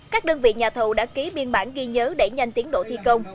các đơn vị nhà thầu đã ký biên bản ghi nhớ để nhanh tiến độ thi công